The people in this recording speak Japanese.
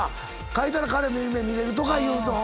書いたら彼の夢見れるとかいうのは。